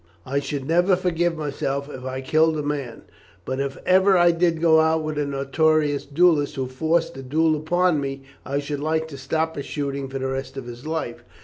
I should never forgive myself if I killed a man. But if ever I did go out with a notorious duellist who forced the duel upon me, I should like to stop his shooting for the rest of his life.